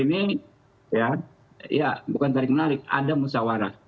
ini ya bukan tarik menarik ada musawarah